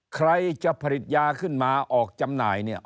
ใครจะผลิตยาขึ้นมาออกจำหน่ายเนี่ย